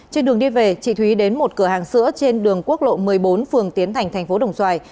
trên đường đi về trị thúy đến một cửa hàng sữa trên đường quốc lộ một mươi bốn phường tiến thành tp đồng xoài